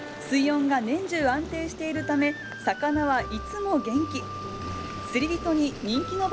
水温が年中安定しているため、魚はいつも元気。